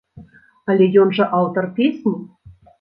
Але ён жа аўтар песні?